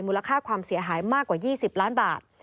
ค่าความเสียหายมากกว่า๒๐ล้านบาท